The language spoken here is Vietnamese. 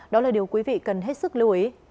nơi điều quý vị cần hết sức lưu ý